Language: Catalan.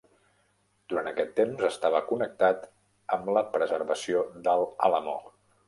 Durant aquest temps estava connectat amb la preservació del Alamo.